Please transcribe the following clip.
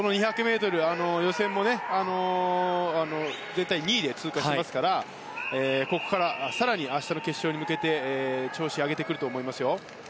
この２００ｍ予選も全体２位で通過していますからここから更に明日の決勝に向けて調子を上げてくると思いますよ。